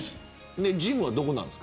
ジムはどこなの。